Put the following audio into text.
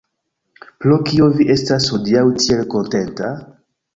Pro kio vi estas hodiaŭ tiel kontenta?